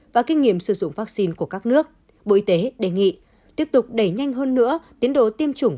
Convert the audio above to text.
và kinh nghiệm sử dụng vaccine của các nước bộ y tế đề nghị tiếp tục đẩy nhanh hơn nữa tiến độ tiêm chủng